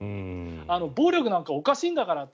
暴力なんかおかしいんだから。